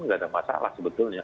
tidak ada masalah sebetulnya